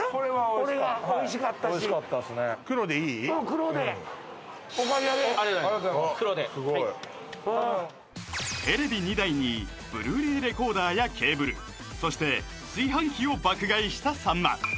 黒ではいすごいテレビ２台にブルーレイレコーダーやケーブルそして炊飯器を爆買いしたさんま